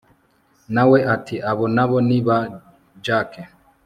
nawe ati abo nabo ni ba jack!